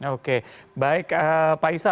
oke baik pak isa